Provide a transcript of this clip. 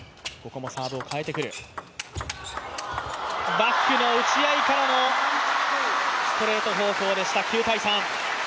バックの打ち合いからのストレート方向でした。